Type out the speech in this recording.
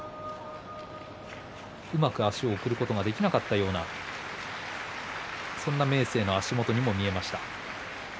うまく足を送ることができなかったようなそんな明生の足元にも見えました。